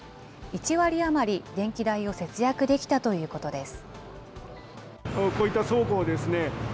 １割余り電気代を節約できたということです。